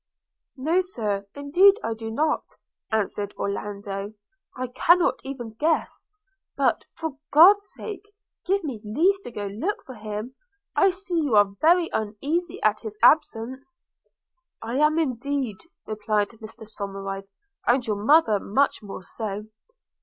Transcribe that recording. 'No, Sir, indeed I do not,' answered Orlando; 'I cannot even guess – but, for God's sake, give me leave to go look for him. I see you are very uneasy at his absence.' 'I am indeed,' replied Mr Somerive, 'and your mother much more so.'